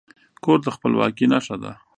کور د خپلواکي نښه ده.